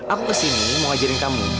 aku kesini mau ngajarin kamu